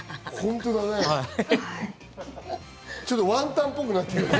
ちょっとワンタンっぽくなってるね。